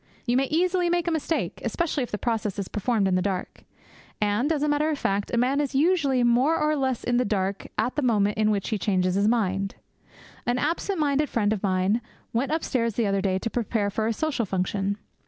You may easily make a mistake, especially if the process is performed in the dark. And, as a matter of fact, a man is usually more or less in the dark at the moment in which he changes his mind. An absent minded friend of mine went upstairs the other day to prepare for a social function.